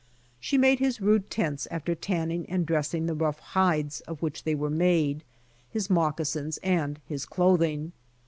She made his rude tents after tanning and dressing the rough hides of which they were made, his mocca sins and his clothing.